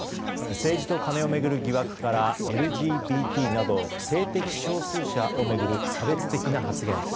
政治とカネを巡る疑惑からＬＧＢＴなど性的少数者を巡る差別的な発言。